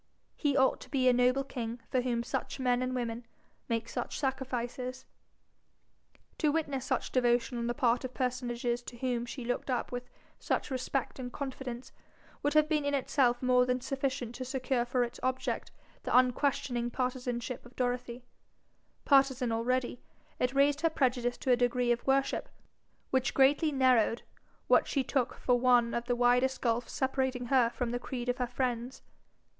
He ought to be a noble king for whom such men and women make such sacrifices. To witness such devotion on the part of personages to whom she looked up with such respect and confidence, would have been in itself more than sufficient to secure for its object the unquestioning partisanship of Dorothy; partisan already, it raised her prejudice to a degree of worship which greatly narrowed what she took for one of the widest gulfs separating her from the creed of her friends.